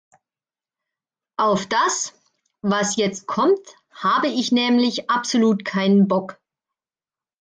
Auf das, was jetzt kommt, habe ich nämlich absolut keinen Bock.